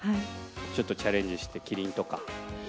ちょっとチャレンジしてキリンとか。